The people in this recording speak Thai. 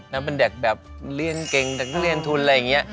แล้วเป็นเด็กแบบเลี่ยนเกงเด็กเลี่ยนทุนอะไรอย่างนี้